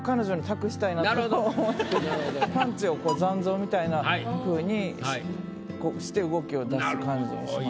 パンチを残像みたいなふうにして動きを出す感じにしました。